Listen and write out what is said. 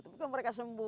tapi kan mereka sembuh